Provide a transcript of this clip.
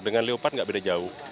dengan leopard nggak beda jauh